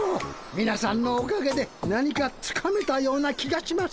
みなさんのおかげで何かつかめたような気がします。